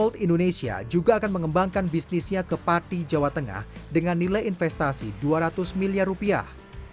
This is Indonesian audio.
world indonesia juga akan mengembangkan bisnisnya ke pati jawa tengah dengan nilai investasi dua ratus miliar rupiah